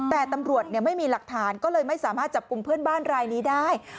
แต่ตำรวจไม่มีหลักฐานก็เลยไม่สามารถจับกลุ่มเพื่อนบ้านรายนี้ได้